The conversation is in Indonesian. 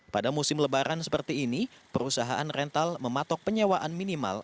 pada musim lebaran seperti ini perusahaan rental mematok penyewaan minimal